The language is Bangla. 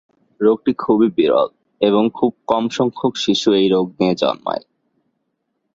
রোগটি খুবই বিরল এবং খুব কমসংখ্যক শিশু এই রোগ নিয়ে জন্মায়।